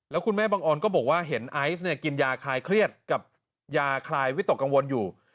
แล้วคุณแม่บังออนก็บอกว่าเห็นไอซ์เนี่ยกินยาคลายเครียดกับยาคลายวิตกกังวลอยู่